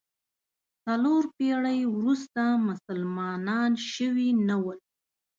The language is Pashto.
څلور پېړۍ وروسته مسلمانان شوي نه ول.